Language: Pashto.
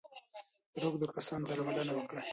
د روږدو کسانو درملنه وکړئ.